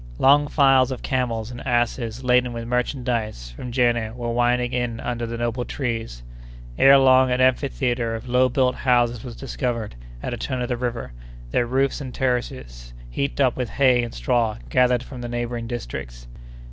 Long files of camels and asses laden with merchandise from Jenné were winding in under the noble trees. Ere long, an amphitheatre of low built houses was discovered at a turn of the river, their roofs and terraces heaped up with hay and straw gathered from the neighboring districts.